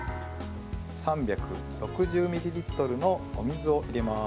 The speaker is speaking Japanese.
３６０ミリリットルのお水を入れます。